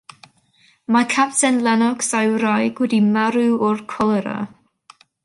Mae Capten Lennox a'i wraig wedi marw o'r colera.